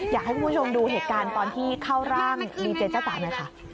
อยากให้คุณผู้ชมดูเหตุการณ์ตอนที่เข้าร่างดีเจเจ้าสาวหน่อยค่ะ